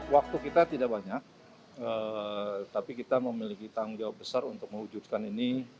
waktu kita tidak banyak tapi kita memiliki tanggung jawab besar untuk mewujudkan ini